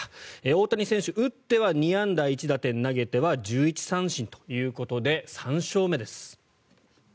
大谷選手、打っては２安打１打点投げては１１三振ということで３勝目です。